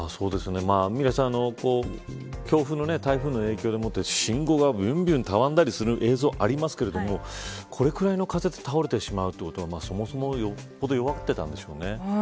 ミラさん、強風の台風の影響で信号が、びゅんびゅんたわんだりする映像ありますけどこれくらいの風で倒れてしまうということはそもそも、よっぽど弱っていたんでしょうね。